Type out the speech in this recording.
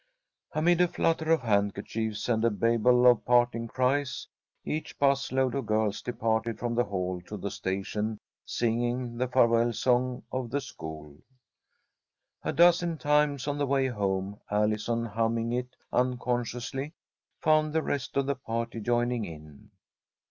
AMID a flutter of handkerchiefs and a babel of parting cries, each 'bus load of girls departed from the Hall to the station singing the farewell song of the school. A dozen times on the way home Allison, humming it unconsciously, found the rest of the party joining in.